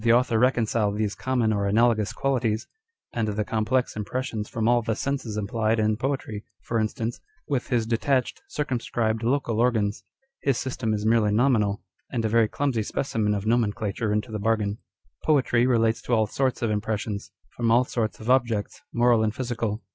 author reconcile these common or analogous qualities, and the complex impressions from all the senses implied in poetry (for instance) with his detached, circumscribed, local organs ? His system is merely nominal, and a very clumsy specimen of nomenclature into the bargain. â€" Poetry relates to all sorts of impressions, from all sorts of objects, moral and physical.